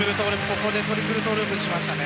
ここでトリプルトーループにしましたね。